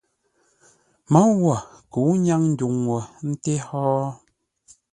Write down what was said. Môu wo kə̌u ńnyáŋ ndwuŋ wo ńté hó.